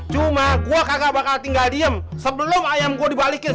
cuma gue kagak bakal tinggal diem sebelum ayam gue dibalikin